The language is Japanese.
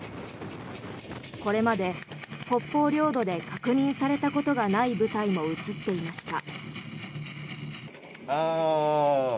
これまで北方領土で確認されたことのない部隊も映っていました。